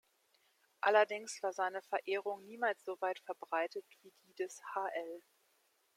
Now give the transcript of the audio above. Allerdings war seine Verehrung niemals so weit verbreitet wie die des hl.